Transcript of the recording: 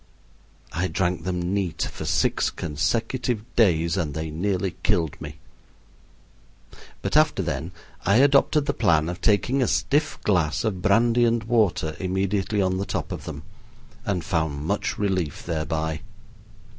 I drank them neat for six consecutive days, and they nearly killed me; but after then I adopted the plan of taking a stiff glass of brandy and water immediately on the top of them, and found much relief thereby.